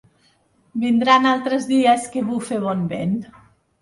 Vindran altres dies que bufe bon vent.